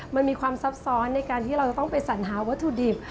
มันมีความซับซ้อนในการที่เราจะต้องไปสัญหาวัตถุดิบ